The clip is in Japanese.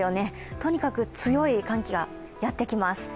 とにかく強い寒気がやってきます。